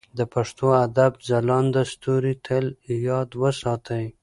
د پښتو ادب ځلانده ستوري تل یاد وساتئ.